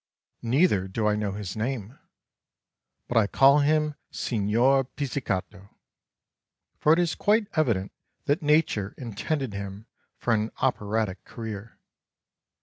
Neither do I know his name, but I call him Signor Pizzicato, for it is quite evident that nature intended him for an Operatic career.